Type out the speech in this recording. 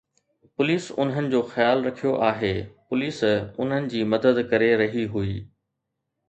police انهن جو خيال رکيو آهي، پوليس انهن جي مدد ڪري رهي هئي